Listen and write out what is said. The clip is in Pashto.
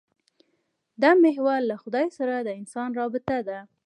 دا محور له خدای سره د انسان رابطه ده.